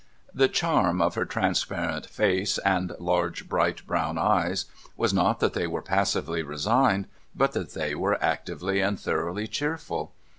The charm of her transparent face and large bright brown eyes was, not that they were passively resigned, but that they were actively and thoroughly cheerful.